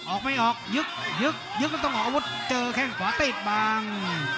ออกไม่ออกยึกยึกยึกแล้วต้องออกอาวุธเจอแข้งขวาติดบัง